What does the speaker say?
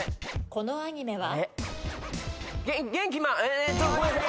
このアニメは？